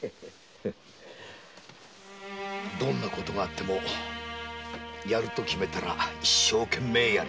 どんな事があってもやると決めたら一生懸命やる。